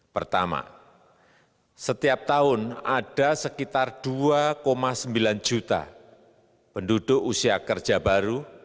pertama setiap tahun ada sekitar dua sembilan juta penduduk usia kerja baru